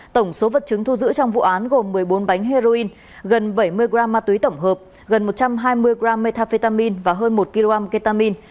tổng số vật chứng thu giữ trong vụ án gồm một mươi bốn bánh heroin gần bảy mươi g ma túy tổng hợp gần một trăm hai mươi g methamphetamine và hơn một kg ketamine